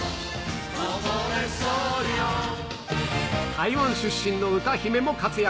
台湾出身の歌姫も活躍。